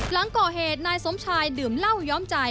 หลังก่อเหตุนายสมชายดื่มเหล้าย้อมใจ